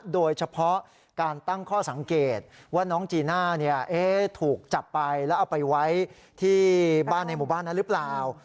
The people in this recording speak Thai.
โดยเฉพาะการตั้งข้อสังเกตว่าน้องจีน่าถูกจับไปแล้วเอาไปไว้ที่บ้านในหมู่บ้านนั้นหรือเปล่า